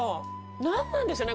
何なんでしょうね